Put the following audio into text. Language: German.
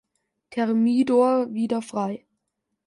Thermidor wieder frei.